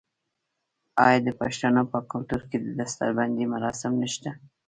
آیا د پښتنو په کلتور کې د دستار بندی مراسم نشته؟